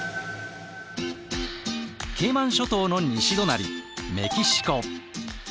ケイマン諸島の西隣メキシコ。